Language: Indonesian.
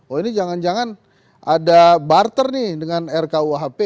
oh ini jangan jangan ada barter nih dengan rkuhp